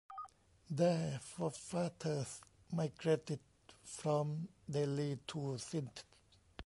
Their forefathers migrated from Delhi to Sindh.